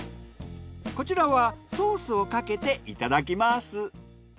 こちらはソースをかけていただきます。